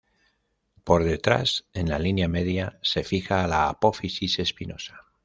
Por detrás, en la línea media, se fija la apófisis espinosa.